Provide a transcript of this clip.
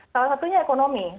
salah satunya ekonomi